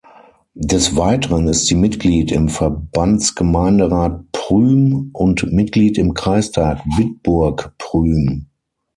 Des Weiteren ist sie Mitglied im Verbandsgemeinderat Prüm und Mitglied im Kreistag Bitburg-Prüm.